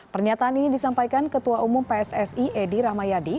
pernyataan ini disampaikan ketua umum pssi edi rahmayadi